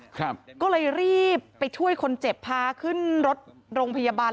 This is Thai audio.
ก็เลยรีบไปช่วยคนเจ็บพาขึ้นรถโรงพยาบาล